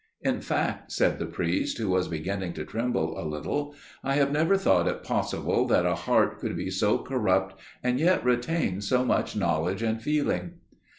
In fact," said the priest, who was beginning to tremble a little, "I have never thought it possible that a heart could be so corrupt and yet retain so much knowledge and feeling.